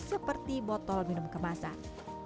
seperti botol minum kemasan